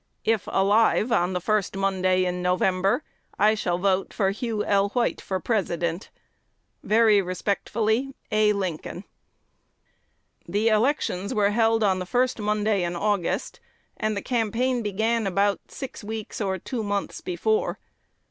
If alive on the first Monday in November, I shall vote for Hugh L. White for President. Very respectfully, A. Lincoln. The elections were held on the first Monday in August, and the campaign began about six weeks or two months before.